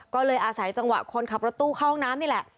ก็เลยอาศัยจังหวะคนขับรถตู้เข้าห้องน้ำนี่แหละ